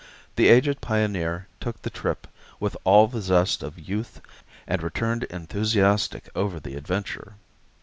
The aged pioneer took the trip with all the zest of youth and returned enthusiastic over the adventure.